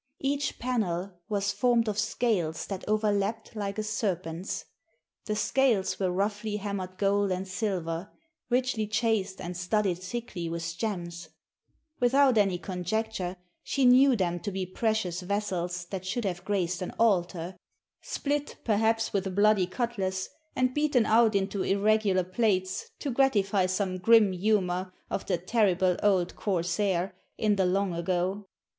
Each panel was formed of scales that overlapped like a serpent's; the scales were roughly hammered gold and silver, richly chased, and studded thickly with gems without any conjecture she knew them to be precious vessels that should have graced an altar, split, perhaps with a bloody cutlass, and beaten out into irregular plates to gratify some grim humor of the terrible old corsair in the long ago.